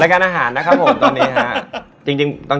การอาหารนะครับผมตอนนี้ครับ